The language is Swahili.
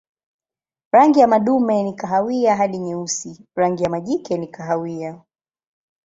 Rangi ya madume ni kahawia hadi nyeusi, rangi ya majike ni kahawia.